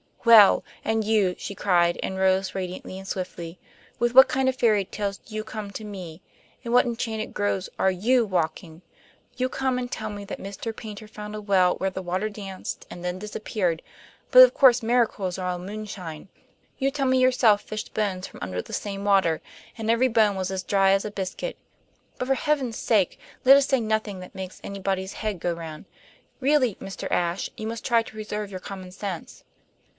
"Well, and you!" she cried, and rose radiantly and swiftly. "With what kind of fairy tales do you come to me? In what enchanted groves are YOU walking? You come and tell me that Mr. Paynter found a well where the water danced and then disappeared; but of course miracles are all moonshine! You tell me you yourself fished bones from under the same water, and every bone was as dry as a biscuit; but for Heaven's sake let us say nothing that makes anybody's head go round! Really, Mr. Ashe, you must try to preserve your common sense!"